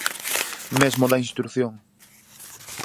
Mesmo da instrución.